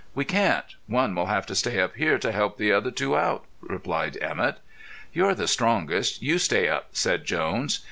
"We can't. One will have to stay up here to help the other two out," replied Emett. "You're the strongest; you stay up," said Jones.